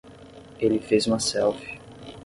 Ele fez uma selfie.